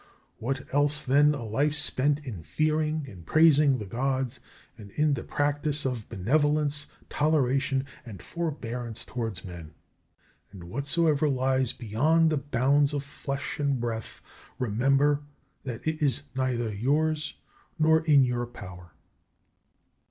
What else than a life spent in fearing and praising the Gods, and in the practice of benevolence, toleration and forbearance towards men? And whatsoever lies beyond the bounds of flesh and breath, remember that it is neither yours nor in your power.